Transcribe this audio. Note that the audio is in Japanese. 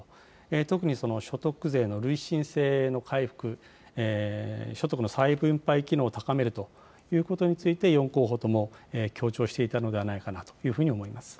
特に所得税の累進性の回復、所得の再分配機能を高めるということについて、４候補とも強調していたのではないかなというふうに思います。